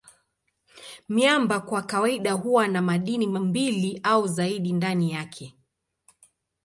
Miamba kwa kawaida huwa na madini mbili au zaidi ndani yake.